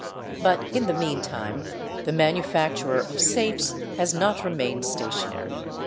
But in the meantime the manufacturer of safes has not remained stationary.